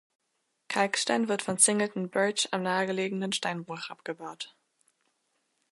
Kalkstein wird von Singleton Birch am nahegelegenen Steinbruch abgebaut.